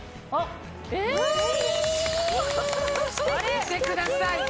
見てください。